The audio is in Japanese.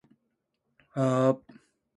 流行りはめぐってくる